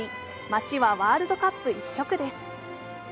街はワールドカップ一色です。